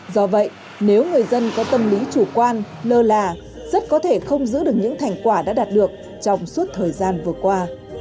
do vậy nếu người dân có tâm lý chủ quan lơ là rất có thể không giữ được những thành quả đã đạt được trong suốt thời gian vừa qua